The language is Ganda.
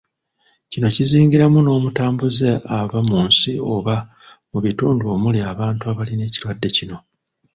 Kino kizingiramu n’omutambuze ava mu nsi oba mu bitundu omuli abantu abalina ekirwadde kino.